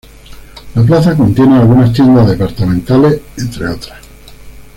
La Plaza Contiene algunas tiendas departamentales, entre otras.